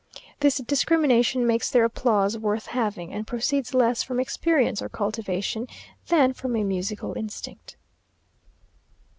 This discrimination makes their applause worth having, and proceeds less from experience or cultivation, than from a musical instinct.